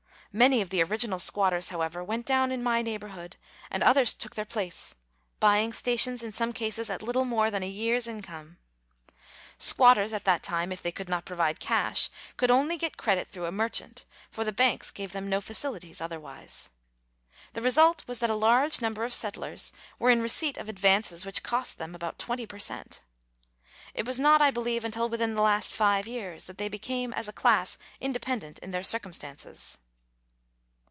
Many of the original squatters, however, went down in my neighbourhood, and others took their place, buying stations in some cases at little more than a year's income. Squatters at that time, if they could not provide cash, could only get credit through a merchant, for the banks gave them no facilities otherwise. The result was that a large number of settlers were in receipt of advances which cost them about 20 per cent. It was not, I believe, until within the last five years that they became as a class independent in their circumstances.